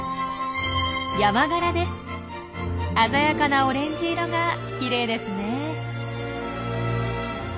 鮮やかなオレンジ色がきれいですねえ。